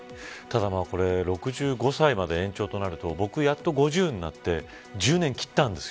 ただ６５歳まで延長となると僕やっと５０になって１０年、切ったんです。